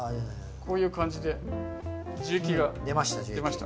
こういう感じで樹液が出ました。